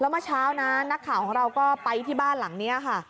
แล้วมาเช้านั้นนักข่าวเราก็ไปบ้านหลังเนี่ยค่ะ